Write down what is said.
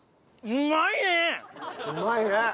うまいね。